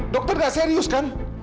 dokter nggak serius kan